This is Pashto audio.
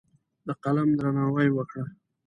د قلم درناوی وکړه.